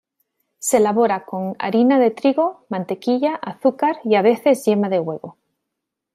Se elabora con harina de trigo, mantequilla, azúcar y a veces yema de huevo.